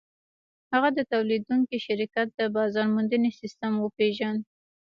هغه د تولیدوونکي شرکت د بازار موندنې سیسټم وپېژند